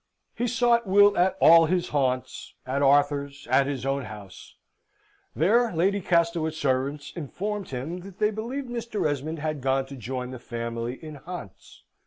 He sought Will at all his haunts, at Arthur's, at his own house. There Lady Castlewood's servants informed him that they believed Mr. Esmond had gone to join the family in Hants.